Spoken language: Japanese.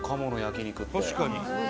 確かに。